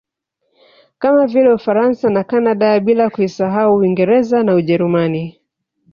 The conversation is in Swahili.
Kama vile Ufaransa na Canada bila kuisahau Uingereza na Ujerumani